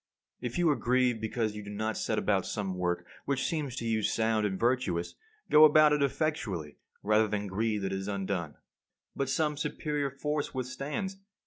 If you are grieved because you do not set about some work which seems to you sound and virtuous, go about it effectually rather than grieve that it is undone. But some superior force withstands.